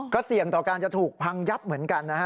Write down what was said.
ก็เสี่ยงต่อการจะถูกพังยับเหมือนกันนะฮะ